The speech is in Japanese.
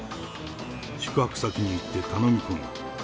宿泊先に行って頼み込んだ。